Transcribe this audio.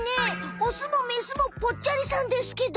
オスもメスもぽっちゃりさんですけど。